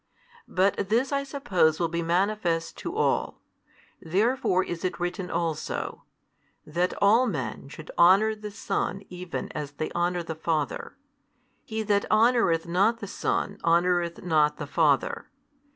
But this I suppose will be manifest to all. Therefore is it written also, That all men, should honour the Son even as they honour the Father: he that honoureth not the Son honoureth not the Father.